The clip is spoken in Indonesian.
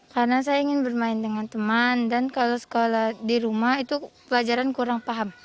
karena saya ingin bermain dengan teman dan kalau sekolah di rumah itu pelajaran kurang paham